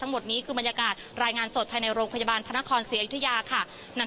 พูดสิทธิ์ข่าวธรรมดาทีวีรายงานสดจากโรงพยาบาลพระนครศรีอยุธยาครับ